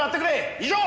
以上！